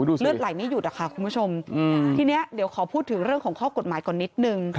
เลือดไหลไม่หยุดอะค่ะคุณผู้ชมทีนี้เดี๋ยวขอพูดถึงเรื่องของข้อกฎหมายก่อนนิดนึง